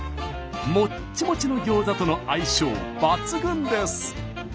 もっちもちのギョーザとの相性抜群です。